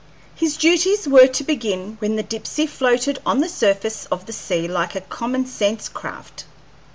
His duties were to begin when the Dipsey floated on the surface of the sea like a commonsense craft.